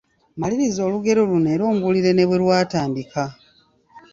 Maliriza olugero luno era ombuulire ne bwe lwatandika.